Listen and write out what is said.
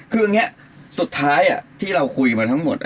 คืออย่างนี้สุดท้ายที่เราคุยมาทั้งหมด